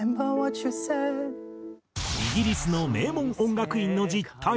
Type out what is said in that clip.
イギリスの名門音楽院の実態や。